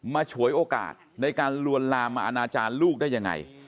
ฉวยโอกาสในการลวนลามมาอนาจารย์ลูกได้ยังไง